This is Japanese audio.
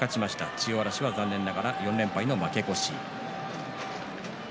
千代嵐は残念ながら４連敗の負け越しです。